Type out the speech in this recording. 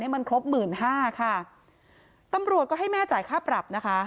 มันครบหมื่นห้าค่ะตำรวจก็ให้แม่จ่ายค่าปรับนะคะ